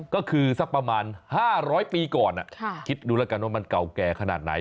ก็คือสักประมาณ๕๐๐ปีก่อนคิดดูแล้วกันว่ามันเก่าแก่ขนาดไหน